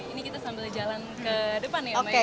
ini kita sambil jalan ke depan ya mbak ya